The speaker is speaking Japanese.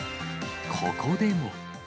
ここでも。